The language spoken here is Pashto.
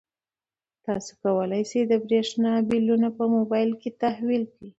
تاسو کولای شئ د برښنا بلونه په موبایل کې تحویل کړئ.